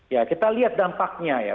ya kita lihat dampaknya ya